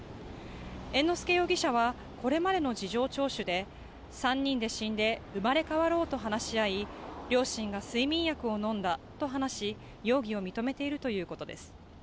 猿之助容疑者はこれまでの事情聴取で３人で死んで生まれ変わろうと話し合い両親が睡眠薬を飲んだと話し容疑を認めているということです。